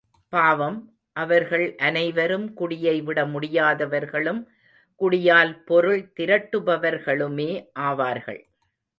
பாவம், அவர்கள் அனைவரும் குடியை விடமுடியாதவர்களும், குடியால் பொருள் திரட்டுபவர்களுமே ஆவார்கள்.